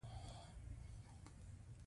واسکټ په مېخ راځوړند ده